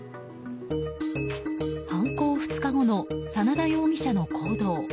犯行２日後の真田容疑者の行動。